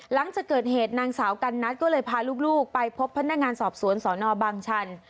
หลังจากเกิดเหตุนางสาวกันนัทก็เลยพาลูกไปพบพนักงานสอบสวนสนบางชัน